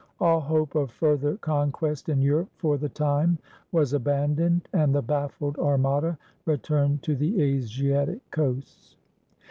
All hope of further conquest in Europe for the time was abandoned, and the baffled armada returned to the Asiatic coasts.